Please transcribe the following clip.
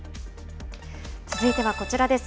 続いてはこちらです。